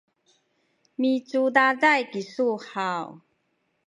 micudaday kisu haw?